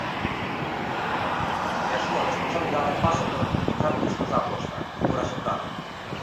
E a súa responsabilidade pasa por minimizar os riscos da aposta, por asegurala.